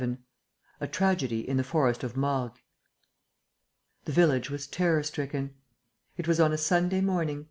VII A TRAGEDY IN THE FOREST OF MORGUES The village was terror stricken. It was on a Sunday morning.